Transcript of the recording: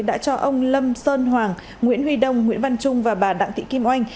đã cho ông lâm sơn hoàng nguyễn huy đông nguyễn văn trung và bà đặng thị kim oanh